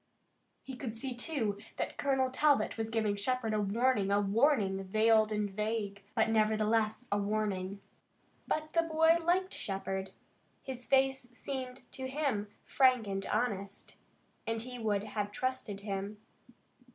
He could see, too, that Colonel Talbot was giving Shepard a warning, a warning, veiled and vague, but nevertheless a warning. But the boy liked Shepard. His face seemed to him frank and honest, and he would have trusted him.